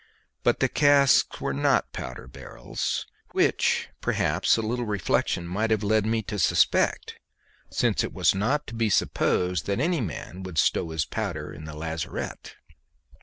But the casks were not powder barrels, which perhaps a little reflection might have led me to suspect, since it was not to be supposed that any man would stow his powder in the lazarette.